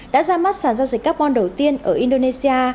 đã ra mắt sản giao dịch carbon đầu tiên ở indonesia